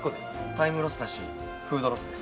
タイムロスだしフードロスです。